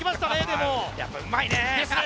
でもやっぱうまいねですね